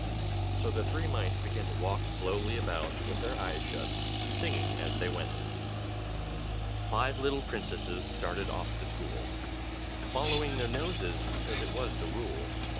So the three mice began to walk slowly about, with their eyes shut, singing, as they went: Five little princesses started off to school, Following their noses because it was the rule.